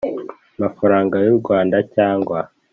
mafaranga y u Rwanda cyangwa